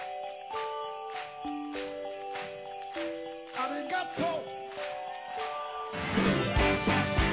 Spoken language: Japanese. ありがとう！